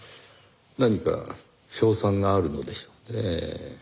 何か勝算があるのでしょうねぇ。